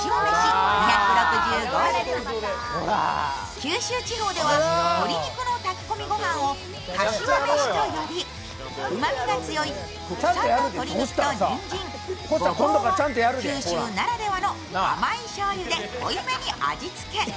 九州地方では鶏肉の炊き込みご飯をかしわ飯と呼びうまみが強い国産の鶏肉とにんじん、ごぼうを九州ならではの甘いしょうゆで濃いめに味付け。